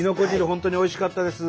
本当においしかったです。